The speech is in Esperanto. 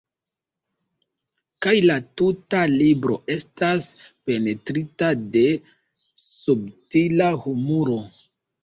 Kaj la tuta libro estas penetrita de subtila humuro.